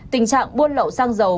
tình trạng buôn lậu xăng dầu